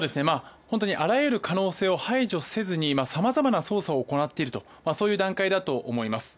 あらゆる可能性を排除せずにさまざまな捜査を行っているそういう段階だと思います。